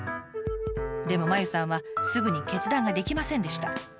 でもまゆさんはすぐに決断ができませんでした。